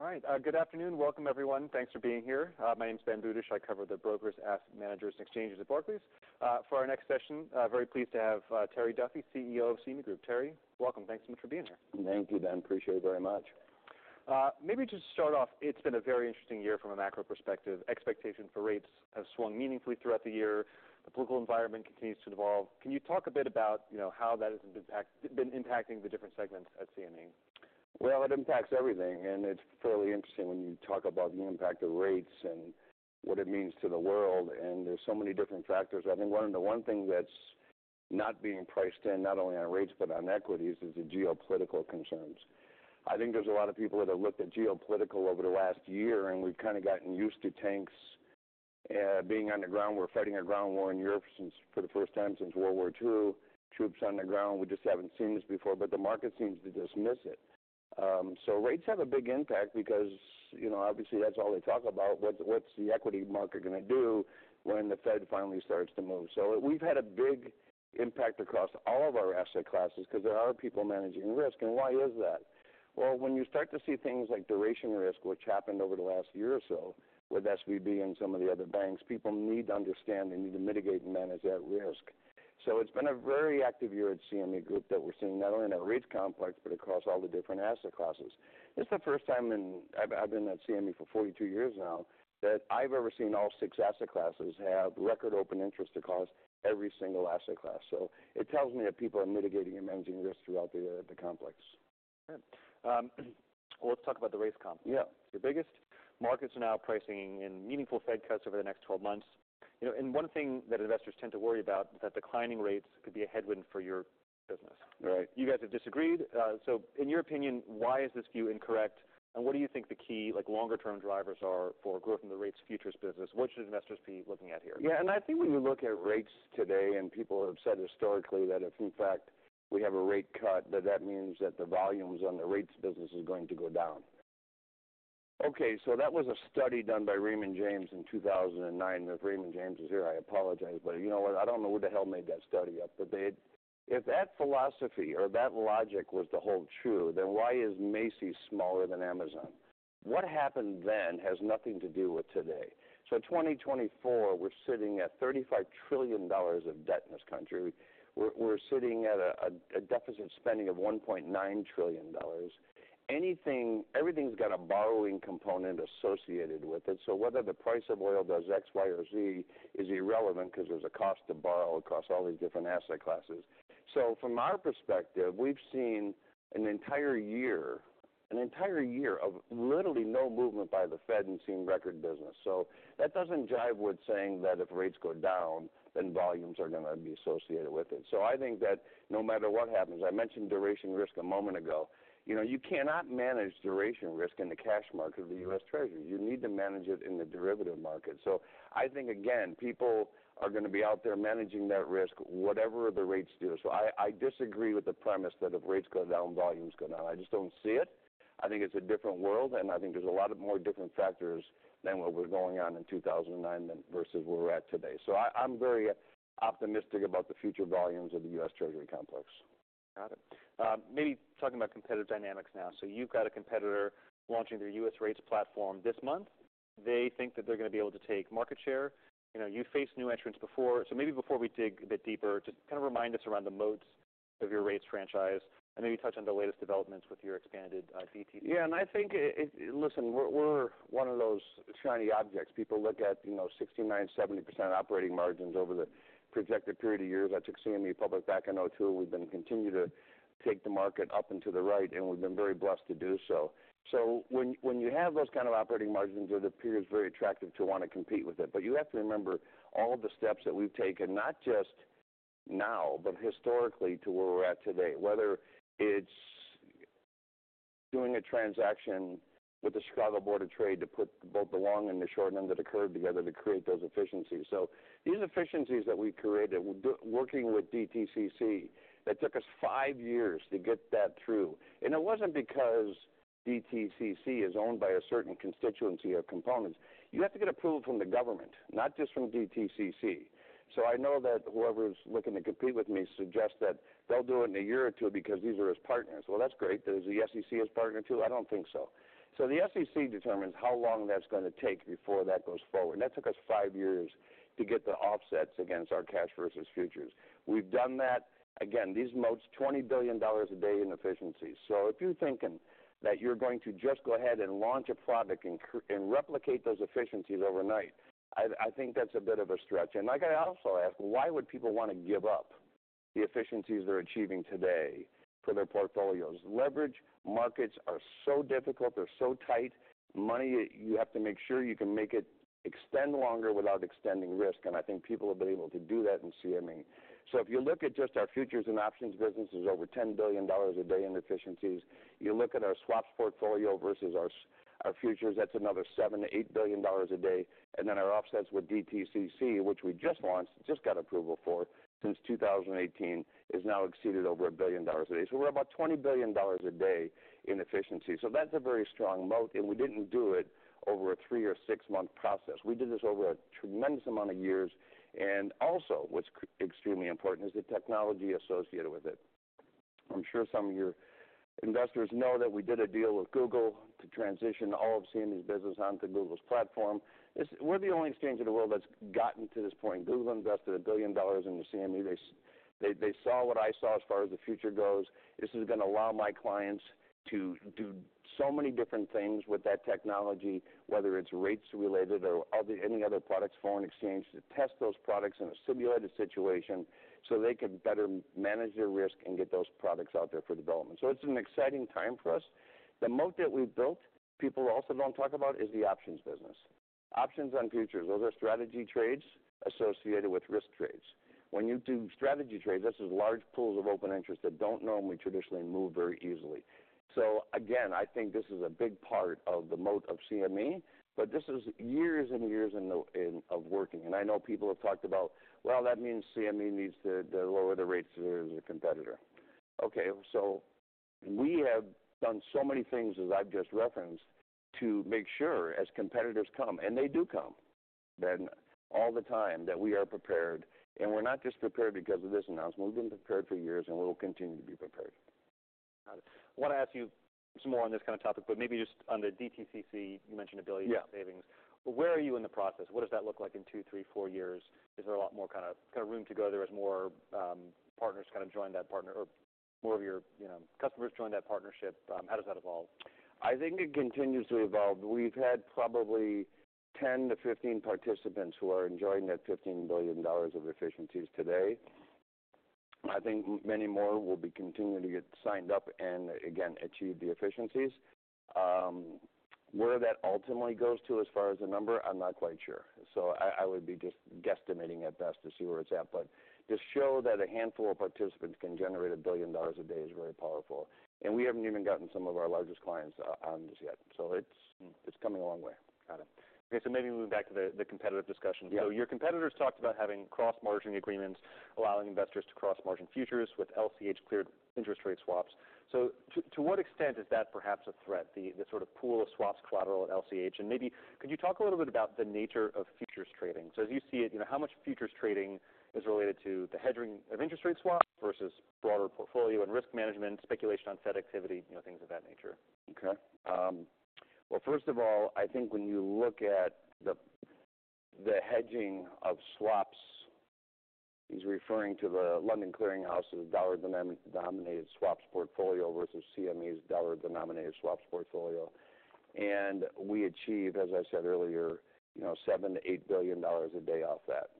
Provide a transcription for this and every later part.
All right. Good afternoon. Welcome, everyone. Thanks for being here. My name's Ben Budish. I cover the brokers, asset managers, and exchanges at Barclays. For our next session, very pleased to have Terry Duffy, CEO of CME Group. Terry, welcome. Thanks so much for being here. Thank you, Ben. Appreciate it very much. Maybe just to start off, it's been a very interesting year from a macro perspective. Expectation for rates have swung meaningfully throughout the year. The political environment continues to evolve. Can you talk a bit about, you know, how that has been impacting the different segments at CME? It impacts everything, and it's fairly interesting when you talk about the impact of rates and what it means to the world, and there's so many different factors. I think one thing that's not being priced in, not only on rates but on equities, is the geopolitical concerns. I think there's a lot of people that have looked at geopolitical over the last year, and we've kind of gotten used to tanks being on the ground. We're fighting a ground war in Europe for the first time since World War II, troops on the ground. We just haven't seen this before, but the market seems to dismiss it, so rates have a big impact because, you know, obviously, that's all they talk about. What's the equity market gonna do when the Fed finally starts to move? So we've had a big impact across all of our asset classes because there are people managing risk. And why is that? Well, when you start to see things like duration risk, which happened over the last year or so with SVB and some of the other banks, people need to understand, they need to mitigate and manage that risk. So it's been a very active year at CME Group that we're seeing, not only in our rates complex, but across all the different asset classes. It's the first time in I've been at CME for 42 years now, that I've ever seen all six asset classes have record open interest across every single asset class. So it tells me that people are mitigating and managing risk throughout the complex. Good. Well, let's talk about the rates comp. Yeah. Your biggest markets are now pricing in meaningful Fed cuts over the next 12 months, you know, and one thing that investors tend to worry about is that declining rates could be a headwind for your business. Right. You guys have disagreed. So in your opinion, why is this view incorrect, and what do you think the key, like, longer-term drivers are for growth in the rates futures business? What should investors be looking at here? Yeah, and I think when you look at rates today, and people have said historically, that if, in fact, we have a rate cut, that that means that the volumes on the rates business is going to go down. Okay, so that was a study done by Raymond James in 2009. And if Raymond James is here, I apologize, but you know what? I don't know who the hell made that study up, but they if that philosophy or that logic was to hold true, then why is Macy's smaller than Amazon? What happened then has nothing to do with today. So in 2024, we're sitting at $35 trillion of debt in this country. We're sitting at a deficit spending of $1.9 trillion. Everything's got a borrowing component associated with it, so whether the price of oil does X, Y, or Z is irrelevant because there's a cost to borrow across all these different asset classes. So from our perspective, we've seen an entire year, an entire year of literally no movement by the Fed and seeing record business. So that doesn't jive with saying that if rates go down, then volumes are gonna be associated with it. So I think that no matter what happens, I mentioned duration risk a moment ago. You know, you cannot manage duration risk in the cash market of the U.S. Treasury. You need to manage it in the derivative market. So I think, again, people are gonna be out there managing that risk, whatever the rates do. So I, I disagree with the premise that if rates go down, volumes go down. I just don't see it. I think it's a different world, and I think there's a lot of more different factors than what was going on in 2009 than versus where we're at today. So I, I'm very optimistic about the future volumes of the U.S. Treasury complex. Got it. Maybe talking about competitive dynamics now. So you've got a competitor launching their U.S. rates platform this month. They think that they're gonna be able to take market share. You know, you faced new entrants before. So maybe before we dig a bit deeper, just kind of remind us around the moats of your rates franchise, and maybe touch on the latest developments with your expanded DTCC. Yeah, and I think it. Listen, we're one of those shiny objects. People look at, you know, 69%-70% operating margins over the projected period of years. I took CME public back in 2002, and we've been continuing to take the market up and to the right, and we've been very blessed to do so. So when you have those kind of operating margins, it appears very attractive to want to compete with it. But you have to remember all of the steps that we've taken, not just now, but historically, to where we're at today. Whether it's doing a transaction with the Chicago Board of Trade to put both the long and the short end of the curve together to create those efficiencies. So these efficiencies that we created, working with DTCC, that took us five years to get that through. It wasn't because DTCC is owned by a certain constituency or components. You have to get approval from the government, not just from DTCC. So I know that whoever is looking to compete with me suggests that they'll do it in a year or two because these are his partners. Well, that's great. Is the SEC his partner, too? I don't think so. So the SEC determines how long that's gonna take before that goes forward, and that took us five years to get the offsets against our cash versus futures. We've done that. Again, these moats, $20 billion a day in efficiencies. So if you're thinking that you're going to just go ahead and launch a product and replicate those efficiencies overnight, I, I think that's a bit of a stretch. I gotta also ask, why would people want to give up the efficiencies they're achieving today for their portfolios? Leverage markets are so difficult. They're so tight. Money, you have to make sure you can make it extend longer without extending risk, and I think people have been able to do that in CME. If you look at just our futures and options business, there's over $10 billion a day in efficiencies. You look at our swaps portfolio versus our futures, that's another $7 billion-$8 billion a day. And then our offsets with DTCC, which we just launched, just got approval for, since 2018, has now exceeded over $1 billion a day. We're about $20 billion a day in efficiency. That's a very strong moat, and we didn't do it over a 3 or 6-month process. We did this over a tremendous amount of years, and also, what's extremely important, is the technology associated with it. I'm sure some of your investors know that we did a deal with Google to transition all of CME's business onto Google's platform. This. We're the only exchange in the world that's gotten to this point. Google invested $1 billion into CME. They saw what I saw as far as the future goes. This is gonna allow my clients to do so many different things with that technology, whether it's rates-related or any other products, foreign exchange, to test those products in a simulated situation, so they can better manage their risk and get those products out there for development. So it's an exciting time for us. The moat that we've built, people also don't talk about, is the options business. Options on futures, those are strategy trades associated with risk trades. When you do strategy trades, this is large pools of open interest that don't normally traditionally move very easily. So again, I think this is a big part of the moat of CME, but this is years and years in the making. I know people have talked about, "Well, that means CME needs to lower the rates to their competitor." Okay, so we have done so many things, as I've just referenced, to make sure as competitors come, and they do come all the time, that we are prepared. We're not just prepared because of this announcement. We've been prepared for years, and we'll continue to be prepared. Got it. I want to ask you some more on this kind of topic, but maybe just on the DTCC, you mentioned a billion. Yeah In savings. Where are you in the process? What does that look like in two, three, four years? Is there a lot more kind of room to go there as more partners kind of join that partner or more of your, you know, customers join that partnership? How does that evolve? I think it continues to evolve. We've had probably 10-15 participants who are enjoying that $15 billion of efficiencies today. I think many more will be continuing to get signed up and, again, achieve the efficiencies. Where that ultimately goes to, as far as the number, I'm not quite sure. So I would be just guesstimating at best to see where it's at. But to show that a handful of participants can generate $1 billion a day is very powerful, and we haven't even gotten some of our largest clients on this yet. So it's coming a long way. Got it. Okay, so maybe move back to the competitive discussion. Yeah. So, your competitors talked about having cross-margining agreements, allowing investors to cross-margin futures with LCH-cleared interest rate swaps. So, to what extent is that perhaps a threat, the sort of pool of swaps collateral at LCH? And maybe could you talk a little bit about the nature of futures trading? So, as you see it, you know, how much futures trading is related to the hedging of interest rate swaps versus broader portfolio and risk management, speculation on Fed activity, you know, things of that nature? Okay. First of all, I think when you look at the hedging of swaps, he's referring to the London Clearing House's dollar-denominated swaps portfolio versus CME's dollar-denominated swaps portfolio. And we achieve, as I said earlier, you know, $7 billion-$8 billion a day off that.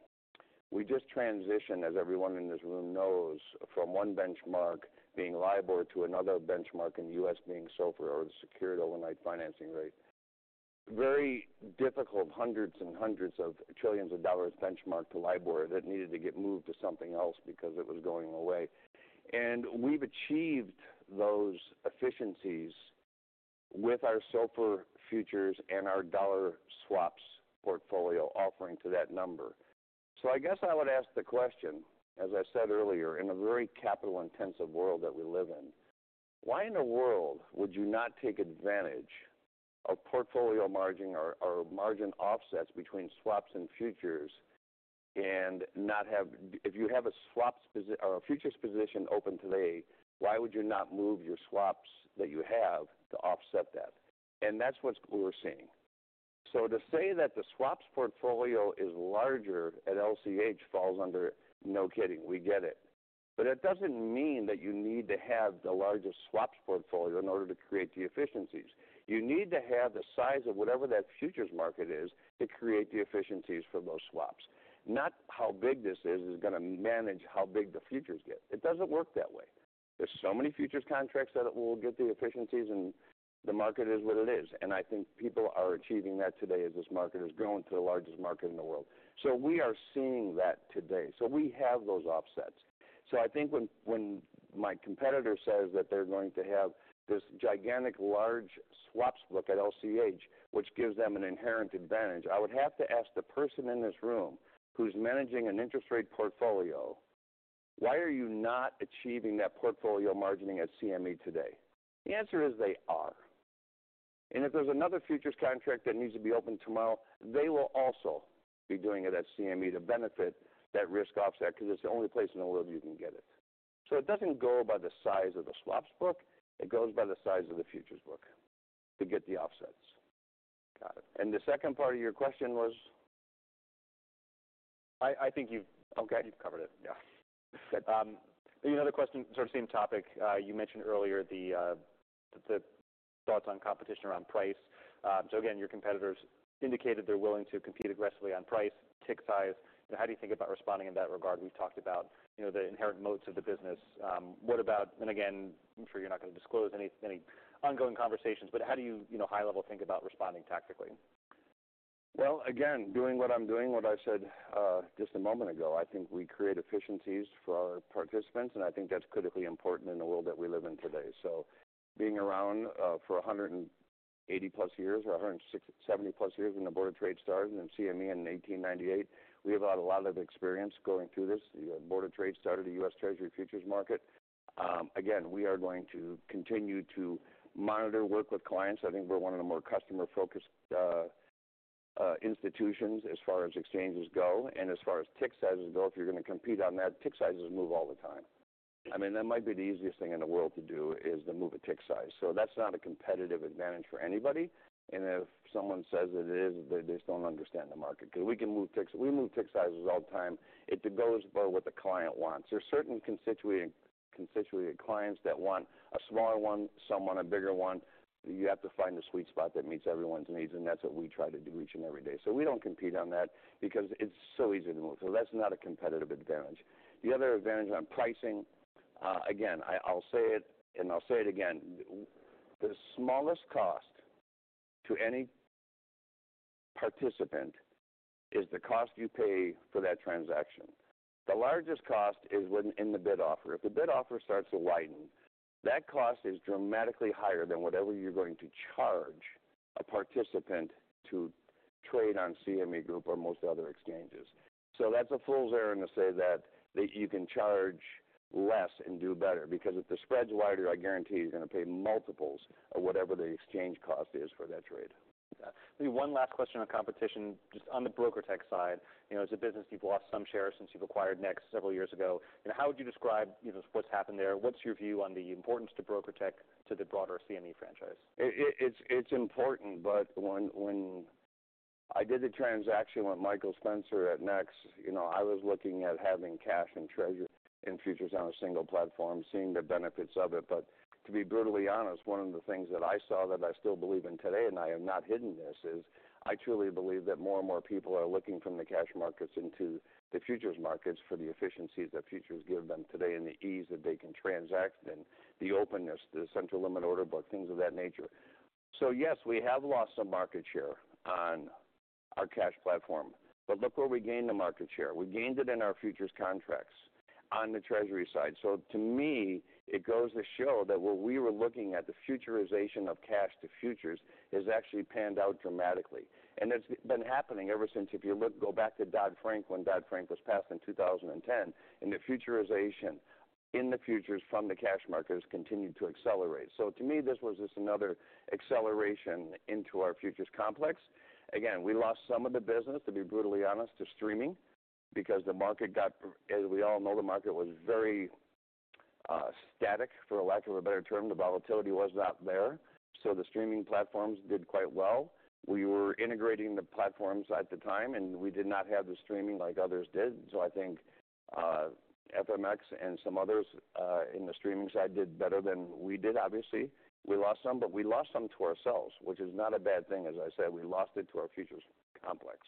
We just transitioned, as everyone in this room knows, from one benchmark being LIBOR, to another benchmark in the U.S. being SOFR, or the Secured Overnight Financing Rate. Very difficult, hundreds and hundreds of trillions of dollars benchmark to LIBOR that needed to get moved to something else because it was going away. And we've achieved those efficiencies with our SOFR futures and our dollar swaps portfolio offering to that number. So I guess I would ask the question, as I said earlier, in a very capital-intensive world that we live in, why in the world would you not take advantage of portfolio margining or, or margin offsets between swaps and futures and not have... If you have a swaps position or a futures position open today, why would you not move your swaps that you have to offset that? And that's what we're seeing. So to say that the swaps portfolio is larger at LCH falls under, "No kidding, we get it." But it doesn't mean that you need to have the largest swaps portfolio in order to create the efficiencies. You need to have the size of whatever that futures market is, to create the efficiencies for those swaps. Not how big this is, is gonna manage how big the futures get. It doesn't work that way. There's so many futures contracts that it will get the efficiencies, and the market is what it is. And I think people are achieving that today as this market is growing to the largest market in the world. So we are seeing that today. So we have those offsets. So I think when my competitor says that they're going to have this gigantic, large swaps book at LCH, which gives them an inherent advantage, I would have to ask the person in this room who's managing an interest rate portfolio: Why are you not achieving that portfolio margining at CME today? The answer is, they are. And if there's another futures contract that needs to be opened tomorrow, they will also be doing it at CME to benefit that risk offset, because it's the only place in the world you can get it. So it doesn't go by the size of the swaps book, it goes by the size of the futures book to get the offsets. Got it. The second part of your question was? I think you've Okay. You've covered it. Yeah. Good. The other question, sort of same topic. You mentioned earlier the thoughts on competition around price. So again, your competitors indicated they're willing to compete aggressively on price, tick size. So how do you think about responding in that regard? We've talked about, you know, the inherent moats of the business. What about, and again, I'm sure you're not going to disclose any ongoing conversations, but how do you, you know, high level, think about responding tactically? Again, doing what I'm doing, what I said just a moment ago, I think we create efficiencies for our participants, and I think that's critically important in the world that we live in today. Being around for 180-plus years or 160-170 plus years when the Board of Trade started, and CME in 1898, we have had a lot of experience going through this. The Board of Trade started a U.S. Treasury futures market. Again, we are going to continue to monitor, work with clients. I think we're one of the more customer-focused institutions as far as exchanges go, and as far as tick sizes go, if you're gonna compete on that, tick sizes move all the time. I mean, that might be the easiest thing in the world to do, is to move a tick size. So that's not a competitive advantage for anybody, and if someone says that it is, they just don't understand the market. Because we can move ticks. We move tick sizes all the time. It goes by what the client wants. There are certain constituent clients that want a smaller one, some want a bigger one. You have to find the sweet spot that meets everyone's needs, and that's what we try to do each and every day. So we don't compete on that because it's so easy to move. So that's not a competitive advantage. The other advantage on pricing, again, I'll say it, and I'll say it again, the smallest cost to any participant is the cost you pay for that transaction. The largest cost is when in the bid offer. If the bid offer starts to widen, that cost is dramatically higher than whatever you're going to charge a participant to trade on CME Group or most other exchanges, so that's a fool's errand to say that you can charge less and do better, because if the spread's wider, I guarantee you're going to pay multiples of whatever the exchange cost is for that trade. Maybe one last question on competition, just on the broker tech side. You know, as a business, you've lost some shares since you've acquired NEX several years ago. And how would you describe, you know, what's happened there? What's your view on the importance to broker tech to the broader CME franchise? It's important, but when I did the transaction with Michael Spencer at NEX, you know, I was looking at having cash and treasury and futures on a single platform, seeing the benefits of it. But to be brutally honest, one of the things that I saw that I still believe in today, and I have not hidden this, is I truly believe that more and more people are looking from the cash markets into the futures markets for the efficiencies that futures give them today and the ease that they can transact in, the openness, the central limit order book, things of that nature. So yes, we have lost some market share on our cash platform, but look where we gained the market share. We gained it in our futures contracts on the treasury side. So to me, it goes to show that where we were looking at the futurization of cash to futures, has actually panned out dramatically. And it's been happening ever since. If you look, go back to Dodd-Frank, when Dodd-Frank was passed in 2010, and the futurization in the futures from the cash markets continued to accelerate. So to me, this was just another acceleration into our futures complex. Again, we lost some of the business, to be brutally honest, to streaming, because the market got, as we all know, the market was very, static, for lack of a better term. The volatility was not there, so the streaming platforms did quite well. We were integrating the platforms at the time, and we did not have the streaming like others did. So I think, FMX and some others, in the streaming side did better than we did, obviously. We lost some, but we lost some to ourselves, which is not a bad thing. As I said, we lost it to our futures complex,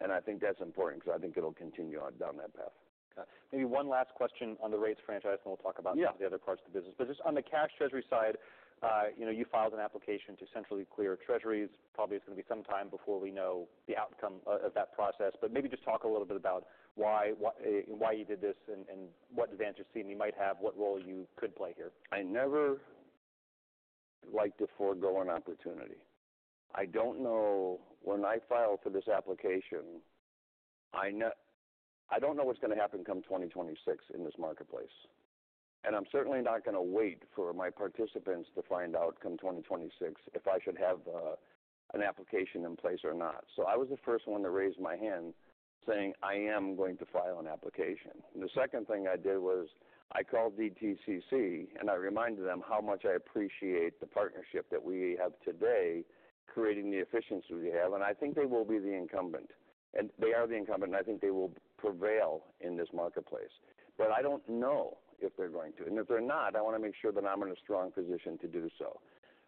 and I think that's important because I think it'll continue on down that path. Okay, maybe one last question on the rates franchise, and we'll talk about. Yeah The other parts of the business. But just on the cash Treasury side, you know, you filed an application to centrally clear Treasuries. Probably it's going to be some time before we know the outcome of that process. But maybe just talk a little bit about why, what, why you did this and what advantage CME might have, what role you could play here. I never like to forgo an opportunity. I don't know... When I filed for this application, I don't know what's going to happen come 2026 in this marketplace, and I'm certainly not going to wait for my participants to find out, come 2026, if I should have an application in place or not. So I was the first one to raise my hand, saying, "I am going to file an application." The second thing I did was I called DTCC, and I reminded them how much I appreciate the partnership that we have today, creating the efficiency we have, and I think they will be the incumbent, and they are the incumbent, and I think they will prevail in this marketplace. But I don't know if they're going to, and if they're not, I want to make sure that I'm in a strong position to do so.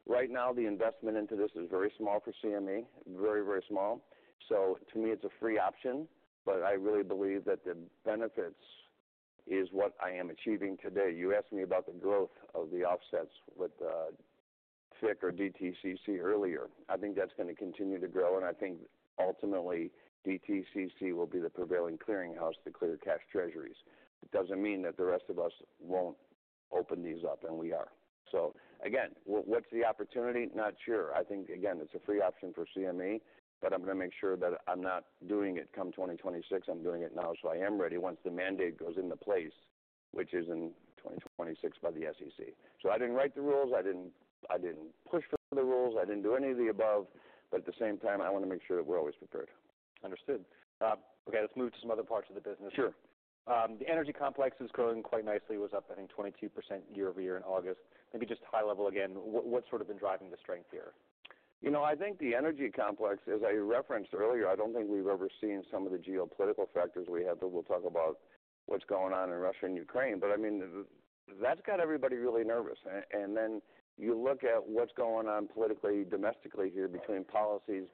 Right now, the investment into this is very small for CME, very, very small. So to me, it's a free option, but I really believe that the benefits is what I am achieving today. You asked me about the growth of the offsets with FICC or DTCC earlier. I think that's going to continue to grow, and I think ultimately, DTCC will be the prevailing clearinghouse to clear cash Treasuries. It doesn't mean that the rest of us won't open these up, and we are. So again, what, what's the opportunity? Not sure. I think, again, it's a free option for CME, but I'm going to make sure that I'm not doing it come 2026. I'm doing it now, so I am ready once the mandate goes into place, which is in 2026 by the SEC. So I didn't write the rules. I didn't, I didn't push for the rules. I didn't do any of the above, but at the same time, I want to make sure that we're always prepared. Understood. Okay, let's move to some other parts of the business. Sure. The energy complex is growing quite nicely. It was up, I think, 22% year-over-year in August. Maybe just high level again, what's sort of been driving the strength here? You know, I think the energy complex, as I referenced earlier, I don't think we've ever seen some of the geopolitical factors we have, but we'll talk about what's going on in Russia and Ukraine. But I mean, that's got everybody really nervous. And then you look at what's going on politically, domestically here. Right. Between policies,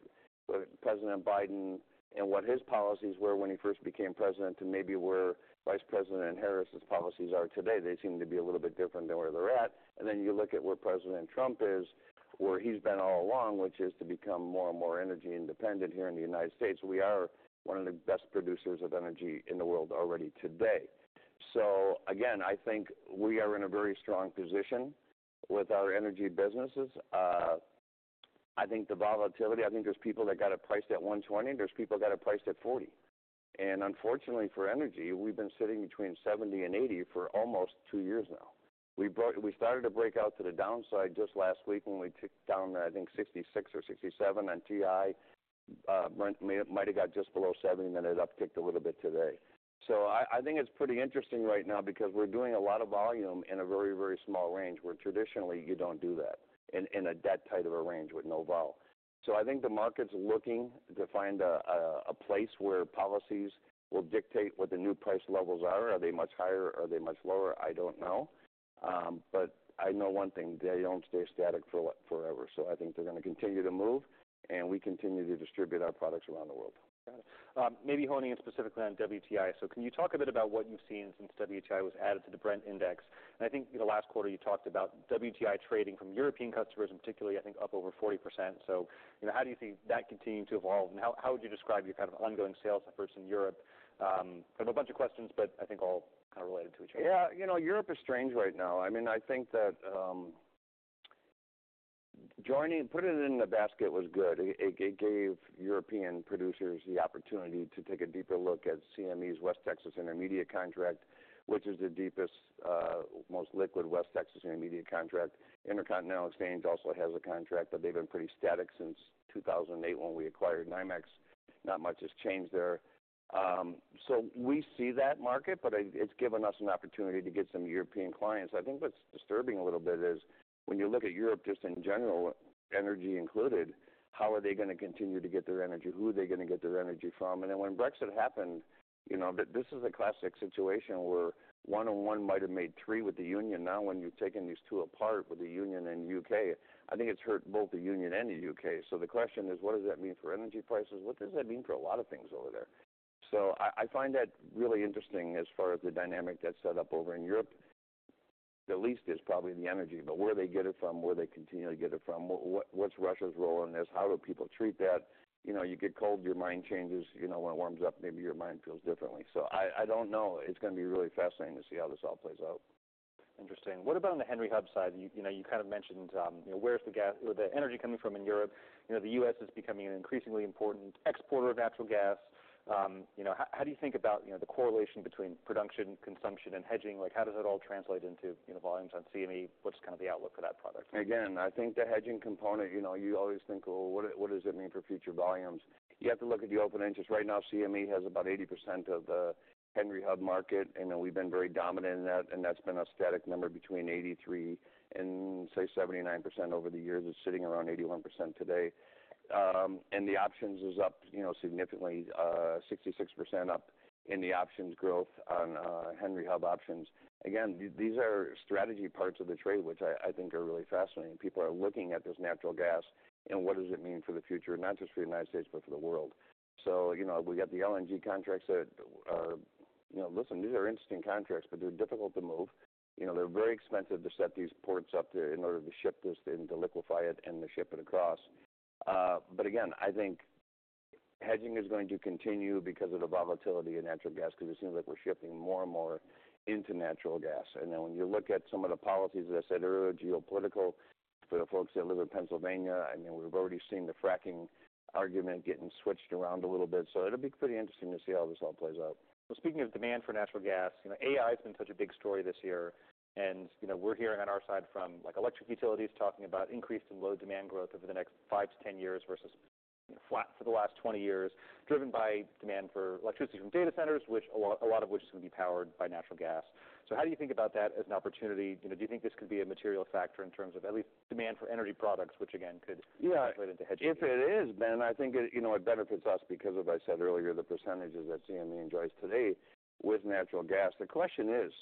with President Biden and what his policies were when he first became president, and maybe where Vice President Harris' policies are today. They seem to be a little bit different than where they're at. And then you look at where President Trump is, where he's been all along, which is to become more and more energy independent here in the United States. We are one of the best producers of energy in the world already today. So again, I think we are in a very strong position with our energy businesses. I think the volatility, I think there's people that got it priced at $120, there's people that are priced at $40 and unfortunately for energy, we've been sitting between $70 and $80 for almost two years now. We started to break out to the downside just last week when we ticked down, I think, 66 or 67 on WTI. Brent might have got just below 70, and then it upticked a little bit today. I think it's pretty interesting right now because we're doing a lot of volume in a very, very small range, where traditionally you don't do that in that tight of a range with no vol. I think the market's looking to find a place where policies will dictate what the new price levels are. Are they much higher? Are they much lower? I don't know. But I know one thing, they don't stay static forever. I think they're going to continue to move, and we continue to distribute our products around the world. Got it. Maybe honing in specifically on WTI. So can you talk a bit about what you've seen since WTI was added to the Brent Index? And I think the last quarter you talked about WTI trading from European customers, and particularly, I think, up over 40%. So, you know, how do you see that continuing to evolve, and how would you describe your kind of ongoing sales efforts in Europe? I have a bunch of questions, but I think all are kind of related to each other. Yeah, you know, Europe is strange right now. I mean, I think that, putting it in the basket was good. It gave European producers the opportunity to take a deeper look at CME's West Texas Intermediate contract, which is the deepest, most liquid West Texas Intermediate contract. Intercontinental Exchange also has a contract, but they've been pretty static since 2008, when we acquired NYMEX. So we see that market, but it's given us an opportunity to get some European clients. I think what's disturbing a little bit is, when you look at Europe, just in general, energy included, how are they going to continue to get their energy? Who are they going to get their energy from? Then when Brexit happened, you know, this is a classic situation where one on one might have made three with the Union. Now, when you've taken these two apart, with the Union and UK, I think it's hurt both the Union and the UK. So the question is: What does that mean for energy prices? What does that mean for a lot of things over there? So I, I find that really interesting as far as the dynamic that's set up over in Europe. The least is probably the energy, but where they get it from, where they continue to get it from, what, what's Russia's role in this? How do people treat that? You know, you get cold, your mind changes. You know, when it warms up, maybe your mind feels differently. So I, I don't know. It's going to be really fascinating to see how this all plays out. Interesting. What about on the Henry Hub side? You know, you kind of mentioned, where's the gas, or the energy coming from in Europe? You know, the U.S. is becoming an increasingly important exporter of natural gas. You know, how do you think about, you know, the correlation between production, consumption, and hedging? Like, how does it all translate into, you know, volumes on CME? What's kind of the outlook for that product? Again, I think the hedging component, you know, you always think, well, what does it mean for future volumes? You have to look at the open interest. Right now, CME has about 80% of the Henry Hub market, and then we've been very dominant in that, and that's been a static number between 83% and, say, 79% over the years. It's sitting around 81% today, and the options is up, you know, significantly, 66% up in the options growth on Henry Hub options. Again, these are strategy parts of the trade, which I think are really fascinating. People are looking at this natural gas and what does it mean for the future, not just for the United States, but for the world. So, you know, we got the LNG contracts that are. You know, listen, these are interesting contracts, but they're difficult to move. You know, they're very expensive to set these ports up there in order to ship this and to liquefy it and to ship it across. But again, I think hedging is going to continue because of the volatility in natural gas, because it seems like we're shifting more and more into natural gas. And then when you look at some of the policies, as I said earlier, geopolitical, for the folks that live in Pennsylvania, I mean, we've already seen the fracking argument getting switched around a little bit, so it'll be pretty interesting to see how this all plays out. Speaking of demand for natural gas, you know, AI has been such a big story this year, and, you know, we're hearing on our side from, like, electric utilities talking about increased annual demand growth over the next five to 10 years versus flat for the last 20 years, driven by demand for electricity from data centers, which a lot of which is going to be powered by natural gas. So how do you think about that as an opportunity? You know, do you think this could be a material factor in terms of at least demand for energy products, which again, could. Yeah. Relate into hedging? If it is, Ben, I think it, you know, it benefits us because, as I said earlier, the percentages that CME enjoys today with natural gas. The question is,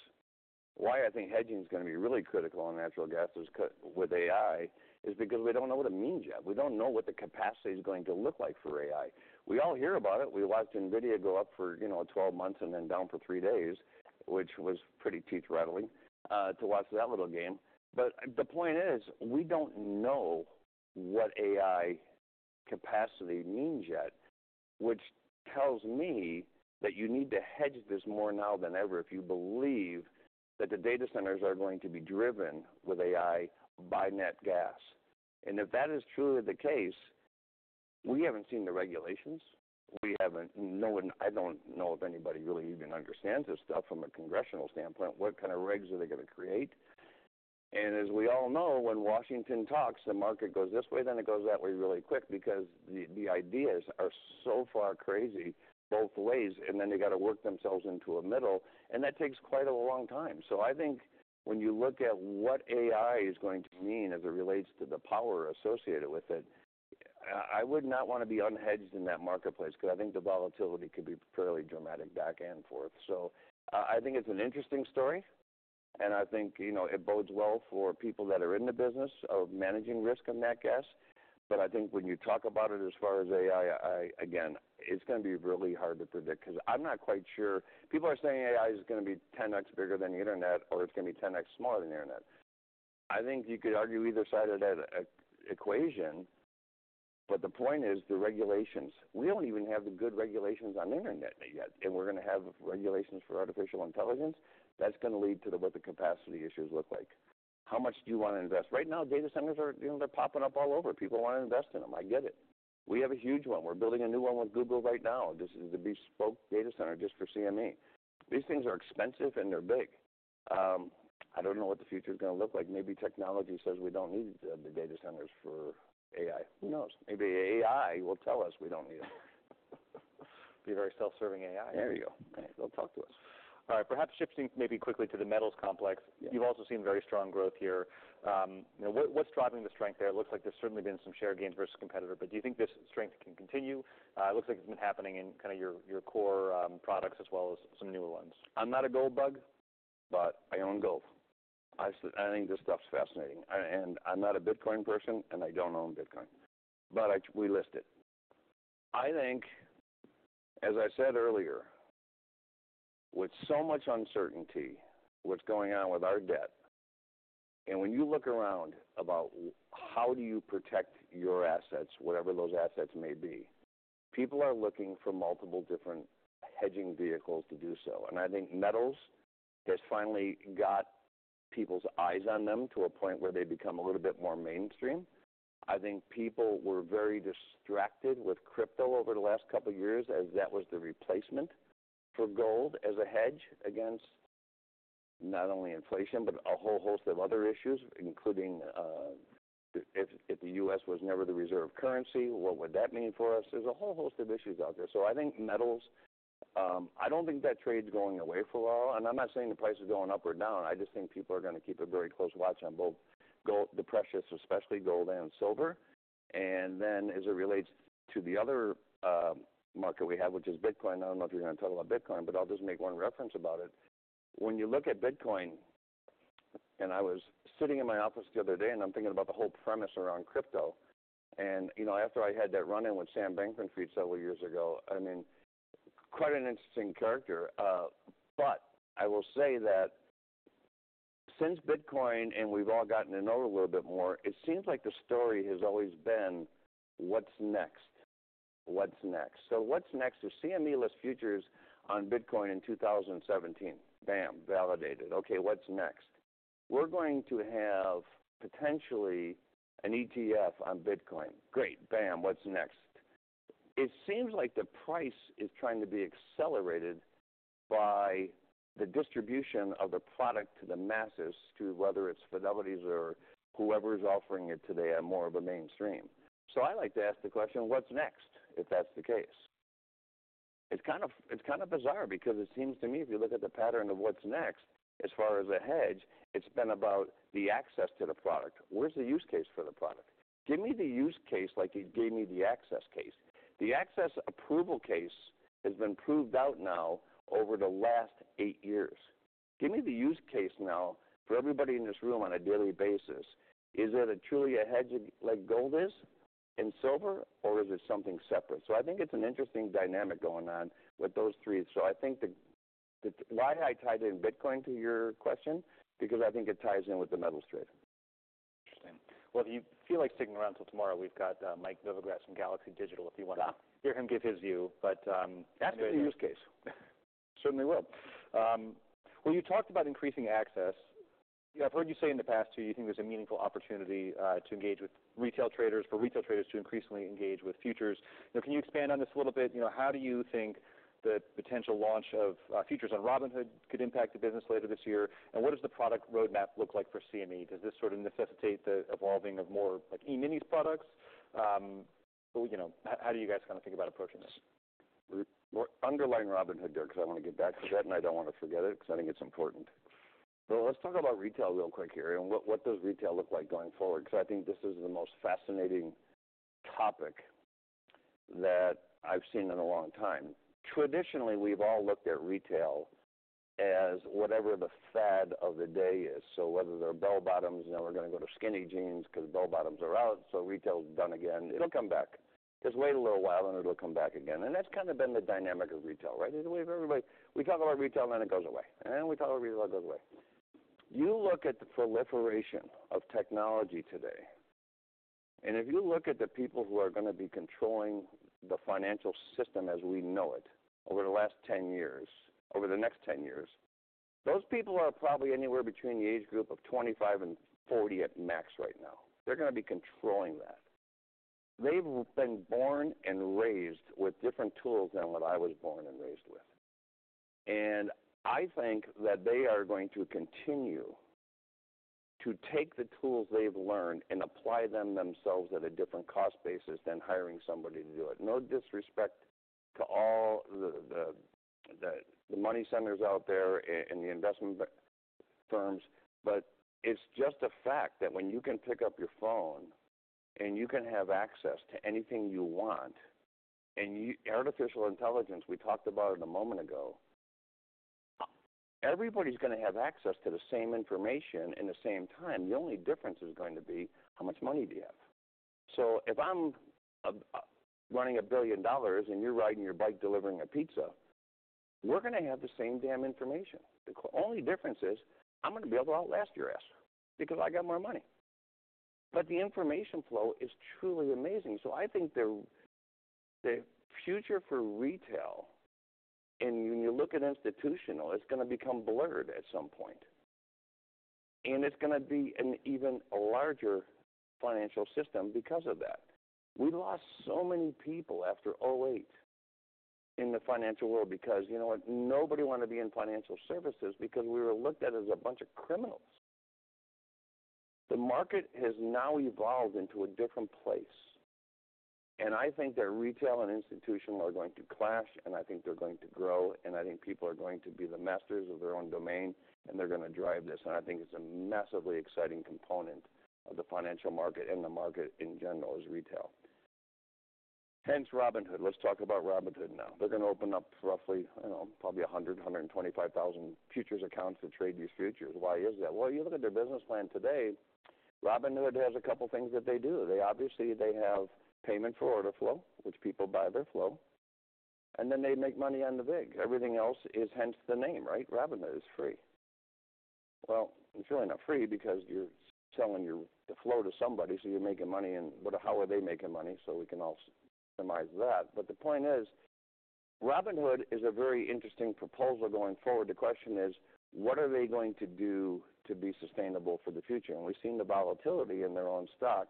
why I think hedging is going to be really critical on natural gas is with AI, is because we don't know what it means yet. We don't know what the capacity is going to look like for AI. We all hear about it. We watched NVIDIA go up for, you know, 12 months and then down for three days, which was pretty teeth-rattling to watch that little game. But the point is, we don't know what AI capacity means yet, which tells me that you need to hedge this more now than ever, if you believe that the data centers are going to be driven with AI by natural gas. And if that is truly the case, we haven't seen the regulations. We haven't. No one, I don't know if anybody really even understands this stuff from a congressional standpoint, what kind of regs are they going to create? And as we all know, when Washington talks, the market goes this way, then it goes that way really quick because the ideas are so far crazy both ways, and then they got to work themselves into a middle, and that takes quite a long time. So I think when you look at what AI is going to mean as it relates to the power associated with it, I would not want to be unhedged in that marketplace, because I think the volatility could be fairly dramatic, back and forth. So I, I think it's an interesting story, and I think, you know, it bodes well for people that are in the business of managing risk and nat gas. But I think when you talk about it as far as AI, again, it's going to be really hard to predict, because I'm not quite sure. People are saying AI is going to be 10 times bigger than the internet, or it's going to be 10 times smaller than the internet. I think you could argue either side of that equation, but the point is the regulations. We don't even have the good regulations on internet yet, and we're going to have regulations for artificial intelligence? That's going to lead to what the capacity issues look like. How much do you want to invest? Right now, data centers are, you know, they're popping up all over. People want to invest in them. I get it. We have a huge one. We're building a new one with Google right now. This is the bespoke data center just for CME. These things are expensive, and they're big. I don't know what the future's gonna look like. Maybe technology says we don't need the data centers for AI. Who knows? Maybe AI will tell us we don't need them. Be a very self-serving AI. There you go. They'll talk to us. All right, perhaps shifting maybe quickly to the metals complex- Yeah. You've also seen very strong growth here. Now, what's driving the strength there? It looks like there's certainly been some share gains versus competitor, but do you think this strength can continue? It looks like it's been happening in kinda your core products, as well as some newer ones. I'm not a gold bug, but I own gold. I think this stuff's fascinating. And I'm not a Bitcoin person, and I don't own Bitcoin, but we list it. I think, as I said earlier, with so much uncertainty, what's going on with our debt, and when you look around about how do you protect your assets, whatever those assets may be, people are looking for multiple different hedging vehicles to do so. And I think metals has finally got people's eyes on them to a point where they become a little bit more mainstream. I think people were very distracted with crypto over the last couple of years, as that was the replacement for gold as a hedge against not only inflation, but a whole host of other issues, including if the U.S. was never the reserve currency, what would that mean for us? There's a whole host of issues out there. So I think metals, I don't think that trade's going away for a while, and I'm not saying the price is going up or down. I just think people are gonna keep a very close watch on both gold, the precious, especially gold and silver. And then, as it relates to the other market we have, which is Bitcoin, I don't know if you're gonna talk about Bitcoin, but I'll just make one reference about it. When you look at Bitcoin, and I was sitting in my office the other day, and I'm thinking about the whole premise around crypto. And, you know, after I had that run-in with Sam Bankman-Fried several years ago, I mean, quite an interesting character. But I will say that since Bitcoin, and we've all gotten to know it a little bit more, it seems like the story has always been: What's next? What's next? So what's next is CME lists futures on Bitcoin in 2017. Bam, validated. Okay, what's next? We're going to have, potentially, an ETF on Bitcoin. Great. Bam, what's next? It seems like the price is trying to be accelerated by the distribution of the product to the masses, to whether it's Fidelity or whoever is offering it today at more of a mainstream. So I like to ask the question, what's next, if that's the case? It's kind of, it's kind of bizarre because it seems to me, if you look at the pattern of what's next, as far as a hedge, it's been about the access to the product. Where's the use case for the product? Give me the use case like you gave me the access case. The access approval case has been proved out now over the last eight years. Give me the use case now for everybody in this room on a daily basis. Is it truly a hedge like gold is, and silver, or is it something separate? So I think it's an interesting dynamic going on with those three. So I think why I tied in Bitcoin to your question, because I think it ties in with the metals trade. Interesting. Well, if you feel like sticking around till tomorrow, we've got, Mike Novogratz from Galaxy Digital, if you wanna. Yeah. Hear him give his view, but, That's the use case. Certainly will. You talked about increasing access. I've heard you say in the past, too, you think there's a meaningful opportunity, to engage with retail traders, for retail traders to increasingly engage with futures. Now, can you expand on this a little bit? You know, how do you think the potential launch of, features on Robinhood could impact the business later this year? And what does the product roadmap look like for CME? Does this sort of necessitate the evolving of more, like, E-minis products? You know, how do you guys kinda think about approaching this? We're underlining Robinhood there, 'cause I wanna get back to that, and I don't wanna forget it, 'cause I think it's important. So let's talk about retail real quick here, and what does retail look like going forward? 'Cause I think this is the most fascinating topic that I've seen in a long time. Traditionally, we've all looked at retail as whatever the fad of the day is. So whether they're bell-bottoms, now we're gonna go to skinny jeans 'cause bell-bottoms are out, so retail is done again. It'll come back. Just wait a little while, and it'll come back again, and that's kind of been the dynamic of retail, right? The way everybody. We talk about retail, then it goes away, and we talk about retail, it goes away. You look at the proliferation of technology today, and if you look at the people who are gonna be controlling the financial system as we know it over the last 10 years, over the next 10 years, those people are probably anywhere between the age group of 25 and 40 at max right now. They're gonna be controlling that. They've been born and raised with different tools than what I was born and raised with, and I think that they are going to continue to take the tools they've learned and apply them themselves at a different cost basis than hiring somebody to do it. No disrespect to all the money centers out there and the investment firms, but it's just a fact that when you can pick up your phone and you can have access to anything you want, and artificial intelligence, we talked about it a moment ago, everybody's gonna have access to the same information in the same time. The only difference is going to be how much money do you have? So if I'm running $1 billion and you're riding your bike delivering a pizza, we're gonna have the same damn information. The only difference is, I'm gonna be able to outlast your ass because I got more money, but the information flow is truly amazing. I think the future for retail, and when you look at institutional, it's gonna become blurred at some point, and it's gonna be an even larger financial system because of that. We lost so many people after 2008 in the financial world because, you know what? Nobody wanted to be in financial services because we were looked at as a bunch of criminals. The market has now evolved into a different place, and I think that retail and institutional are going to clash, and I think they're going to grow, and I think people are going to be the masters of their own domain, and they're gonna drive this. And I think it's a massively exciting component of the financial market, and the market, in general, is retail. Hence, Robinhood. Let's talk about Robinhood now. They're gonna open up roughly, you know, probably 125,000 futures accounts to trade these futures. Why is that? Well, you look at their business plan today. Robinhood has a couple things that they do. They obviously have payment for order flow, which people buy their flow, and then they make money on the vig. Everything else is hence the name, right? Robinhood is free. Well, it's really not free because you're selling your the flow to somebody, so you're making money, but how are they making money? So we can all surmise that. But the point is, Robinhood is a very interesting proposal going forward. The question is: What are they going to do to be sustainable for the future, and we've seen the volatility in their own stock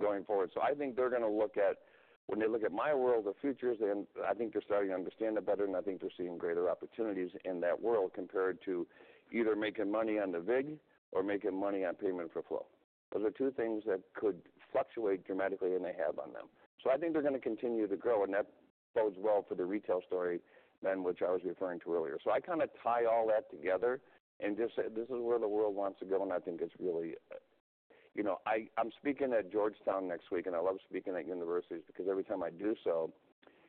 going forward. So I think they're gonna look at, when they look at my world of futures, and I think they're starting to understand it better, and I think they're seeing greater opportunities in that world, compared to either making money on the VIX or making money on payment for order flow. Those are two things that could fluctuate dramatically, and they have on them. So I think they're gonna continue to grow, and that bodes well for the retail story, then, which I was referring to earlier. So I kinda tie all that together and just say, this is where the world wants to go, and I think it's really. You know, I, I'm speaking at Georgetown next week, and I love speaking at universities because every time I do so,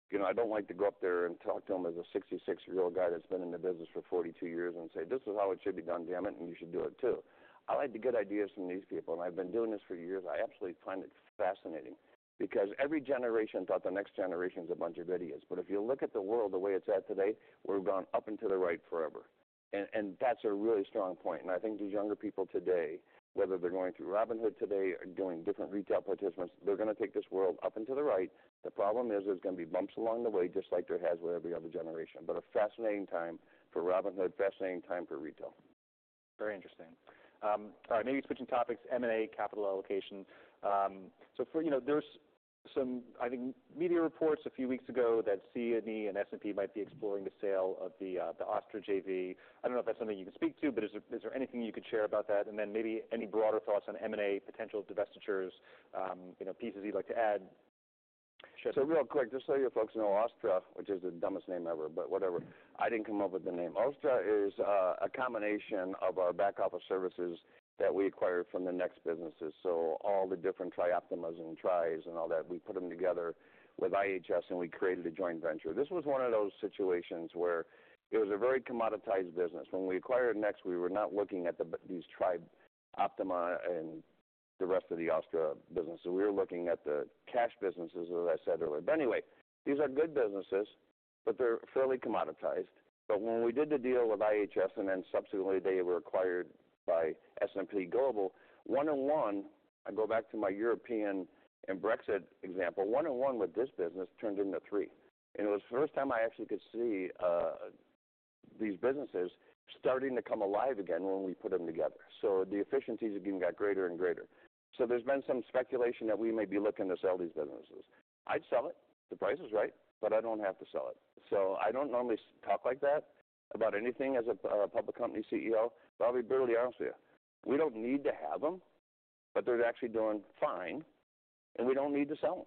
you know, I don't like to go up there and talk to them as a 66-year-old guy that's been in the business for forty-two years and say, "This is how it should be done, damn it, and you should do it, too." I like to get ideas from these people, and I've been doing this for years. I absolutely find it fascinating because every generation thought the next generation's a bunch of idiots. But if you look at the world the way it's at today, we've gone up and to the right forever. And that's a really strong point. And I think these younger people today, whether they're going through Robinhood today or doing different retail participants, they're gonna take this world up and to the right. The problem is, there's gonna be bumps along the way, just like there has with every other generation. But a fascinating time for Robinhood, fascinating time for retail. Very interesting. All right, maybe switching topics, M&A capital allocation. So, you know, there's some, I think, media reports a few weeks ago that CME and S&P might be exploring the sale of the Osttra JV. I don't know if that's something you can speak to, but is there, is there anything you could share about that? And then maybe any broader thoughts on M&A, potential divestitures, you know, pieces you'd like to add? So real quick, just so you folks know, Osttra, which is the dumbest name ever, but whatever. I didn't come up with the name. Osttra is a combination of our back office services that we acquired from the NEX businesses. So all the different TriOptima and Tri's and all that, we put them together with IHS, and we created a joint venture. This was one of those situations where it was a very commoditized business. When we acquired NEX, we were not looking at these TriOptima and the rest of the Osttra business. So we were looking at the cash businesses, as I said earlier. But anyway, these are good businesses, but they're fairly commoditized. But when we did the deal with IHS, and then subsequently, they were acquired by S&P Global, one-on-one. I go back to my European and Brexit example. One-on-one with this business turned into three. And it was the first time I actually could see these businesses starting to come alive again when we put them together. So the efficiencies have even got greater and greater. So there's been some speculation that we may be looking to sell these businesses. I'd sell it, if the price is right, but I don't have to sell it. So I don't normally talk like that about anything as a public company CEO, but I'll be brutally honest with you. We don't need to have them, but they're actually doing fine, and we don't need to sell them.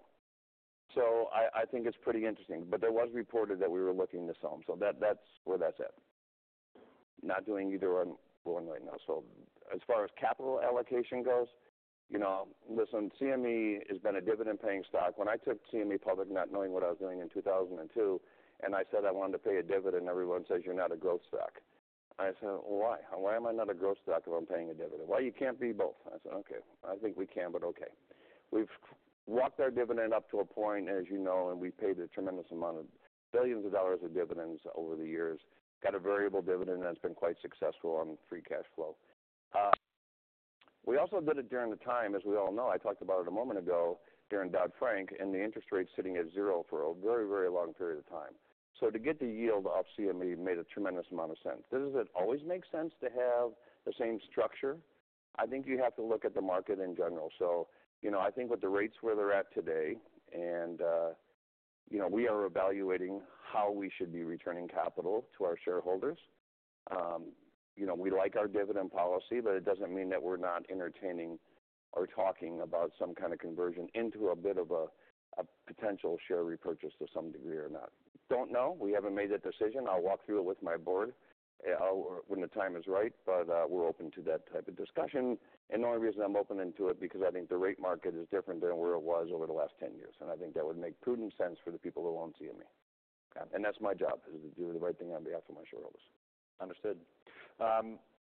So I think it's pretty interesting, but there was reported that we were looking to sell them, so that, that's where that's at. Not doing either one right now. As far as capital allocation goes, you know, listen, CME has been a dividend-paying stock. When I took CME public, not knowing what I was doing in 2002, and I said I wanted to pay a dividend, everyone says, "You're not a growth stock." I said, "Well, why? Why am I not a growth stock if I'm paying a dividend?" "Well, you can't be both." I said, "Okay, I think we can, but okay." We've walked our dividend up to a point, as you know, and we've paid a tremendous amount of billions of dollars of dividends over the years. Got a variable dividend that's been quite successful on free cash flow. We also did it during the time, as we all know. I talked about it a moment ago, during Dodd-Frank, and the interest rates sitting at zero for a very, very long period of time. So to get the yield off CME made a tremendous amount of sense. Does it always make sense to have the same structure? I think you have to look at the market in general. So you know, I think with the rates where they're at today and, you know, we are evaluating how we should be returning capital to our shareholders. You know, we like our dividend policy, but it doesn't mean that we're not entertaining or talking about some kind of conversion into a bit of a, a potential share repurchase to some degree or not. Don't know. We haven't made that decision. I'll walk through it with my board, when the time is right, but, we're open to that type of discussion, and the only reason I'm open to it because I think the rate market is different than where it was over the last 10 years, and I think that would make prudent sense for the people who own CME, and that's my job, is to do the right thing on behalf of my shareholders. Understood.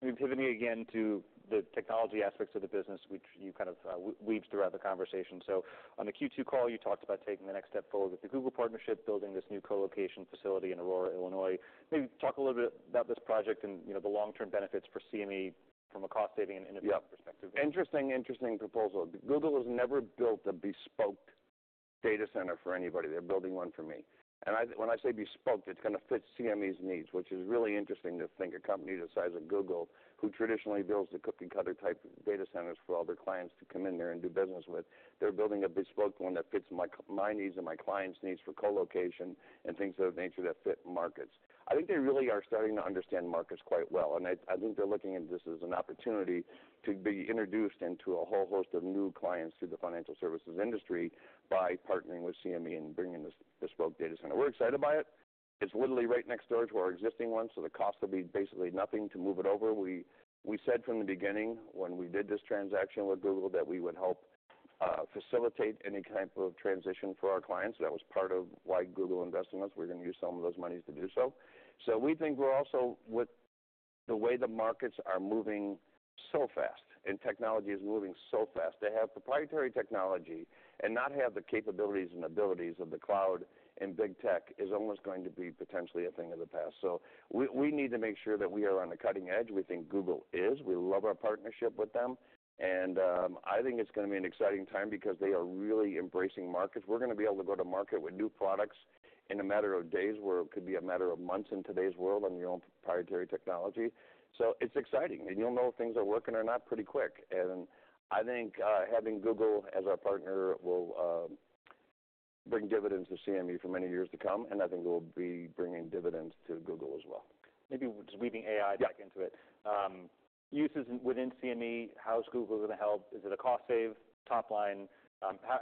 We pivoting again to the technology aspects of the business, which you kind of weaved throughout the conversation. So on the Q2 call, you talked about taking the next step forward with the Google partnership, building this new co-location facility in Aurora, Illinois. Maybe talk a little bit about this project and, you know, the long-term benefits for CME from a cost-saving and innovative perspective. Yeah. Interesting, interesting proposal. Google has never built a bespoke data center for anybody. They're building one for me. And I, when I say bespoke, it's gonna fit CME's needs, which is really interesting to think a company the size of Google, who traditionally builds the cookie-cutter type data centers for all their clients to come in there and do business with, they're building a bespoke one that fits my needs and my clients' needs for co-location and things of that nature that fit markets. I think they really are starting to understand markets quite well, and I think they're looking at this as an opportunity to be introduced into a whole host of new clients through the financial services industry by partnering with CME and bringing this bespoke data center. We're excited about it. It's literally right next door to our existing one, so the cost will be basically nothing to move it over. We said from the beginning, when we did this transaction with Google, that we would help facilitate any type of transition for our clients. That was part of why Google invested in us. We're gonna use some of those monies to do so. So we think we're also, with the way the markets are moving so fast and technology is moving so fast, to have proprietary technology and not have the capabilities and abilities of the cloud and Big Tech, is almost going to be potentially a thing of the past. So we need to make sure that we are on the cutting edge. We think Google is. We love our partnership with them, and I think it's gonna be an exciting time because they are really embracing markets. We're gonna be able to go to market with new products in a matter of days, where it could be a matter of months in today's world on your own proprietary technology. It's exciting, and you'll know if things are working or not pretty quick. And I think having Google as our partner will bring dividends to CME for many years to come, and I think we'll be bringing dividends to Google as well. Maybe just weaving AI. Yeah Back into it. Uses within CME, how is Google gonna help? Is it a cost save, top line?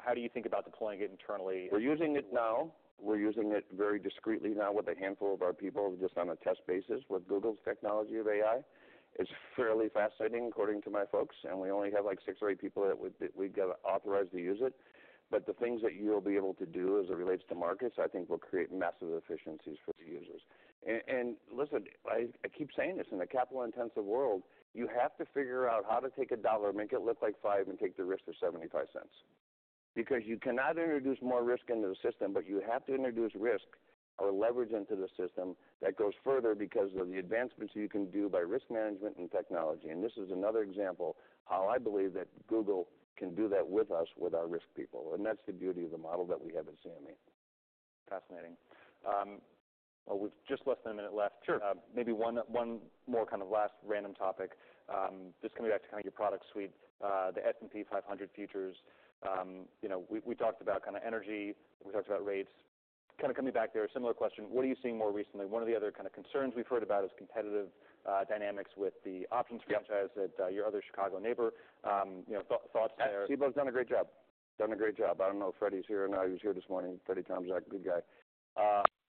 How do you think about deploying it internally? We're using it now. We're using it very discreetly now with a handful of our people, just on a test basis, with Google's technology of AI. It's fairly fascinating, according to my folks, and we only have, like, six or eight people that we've got authorized to use it. But the things that you'll be able to do as it relates to markets, I think will create massive efficiencies for the users. And, and listen, I keep saying this, in a capital-intensive world, you have to figure out how to take a dollar, make it look like five, and take the risk of $0.75. Because you cannot introduce more risk into the system, but you have to introduce risk or leverage into the system that goes further because of the advancements you can do by risk management and technology. This is another example how I believe that Google can do that with us, with our risk people, and that's the beauty of the model that we have at CME. Fascinating. Well, with just less than a minute left. Sure Maybe one more kind of last random topic. Just coming back to kind of your product suite, the S&P 500 futures. You know, we talked about kind of energy, we talked about rates. Kind of coming back there, a similar question: What are you seeing more recently? One of the other kind of concerns we've heard about is competitive dynamics with the options franchise. Yeah That, your other Chicago neighbor, you know, thoughts there? Cboe's done a great job. Done a great job. I don't know if Fred Tomczyk's here or not. He was here this morning. Fred Tomczyk, good guy.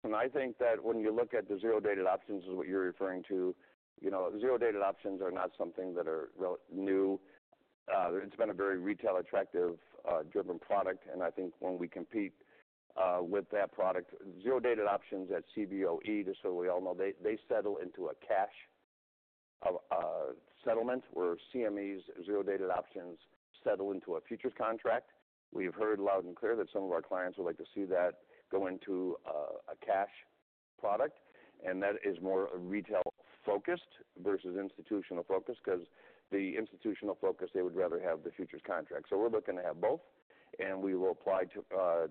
And I think that when you look at the zero-dated options, is what you're referring to, you know, zero-dated options are not something that are new. It's been a very retail-attractive, driven product, and I think when we compete, with that product, zero-dated options at Cboe, just so we all know, they, they settle into a cash settlement, where CME's zero-dated options settle into a futures contract. We've heard loud and clear that some of our clients would like to see that go into, a cash product, and that is more retail-focused versus institutional-focused, 'cause the institutional focus, they would rather have the futures contract. So we're looking to have both, and we will apply to,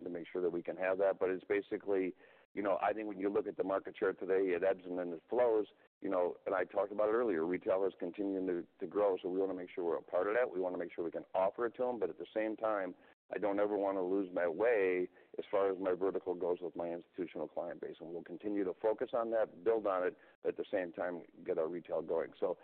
to make sure that we can have that. But it's basically, you know, I think when you look at the market share today, it ebbs and then it flows, you know, and I talked about it earlier, retail is continuing to grow, so we want to make sure we're a part of that. We want to make sure we can offer it to them, but at the same time, I don't ever want to lose my way as far as my vertical goes with my institutional client base. And we'll continue to focus on that, build on it, at the same time, get our retail going. So